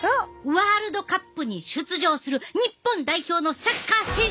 ワールドカップに出場する日本代表のサッカー選手たち！